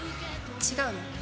違うの？